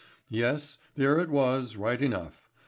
Yes, there it was right enough.